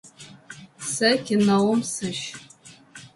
Сэ кинэум сыщ.